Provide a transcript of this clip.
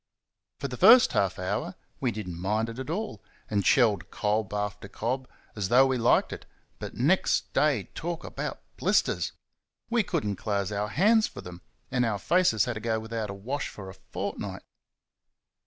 For the first half hour we did n't mind it at all, and shelled cob after cob as though we liked it; but next day, talk about blisters! we could n't close our hands for them, and our faces had to go without a wash for a fortnight.